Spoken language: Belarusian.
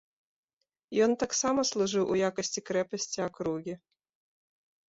Ён таксама служыў у якасці крэпасці акругі.